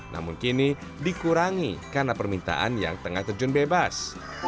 namun kini dikurangi karena permintaan yang tengah terjun bebas